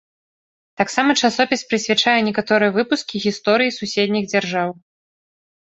Таксама часопіс прысвячае некаторыя выпускі гісторыі суседніх дзяржаў.